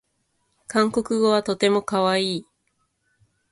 韓国語はとてもかわいい